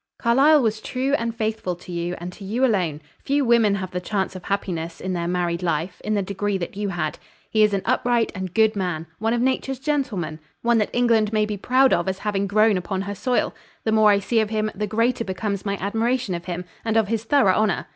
"Carlyle was true and faithful to you, and to you alone. Few women have the chance of happiness, in their married life, in the degree that you had. He is an upright and good man; one of nature's gentlemen; one that England may be proud of as having grown upon her soil. The more I see of him, the greater becomes my admiration of him, and of his thorough honor.